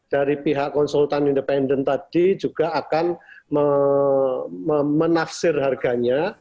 dari pihak konsultan independen tadi juga akan menafsir harganya